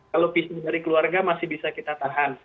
kalau fisik dari keluarga masih bisa kita tahan